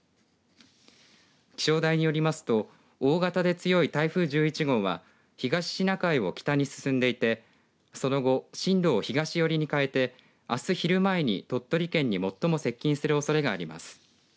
気象台によりますと大型で強い台風１１号は東シナ海を北に進んでいてその後、進路を東寄りに変えてあす昼前に鳥取県に最も接近するおそれがあります。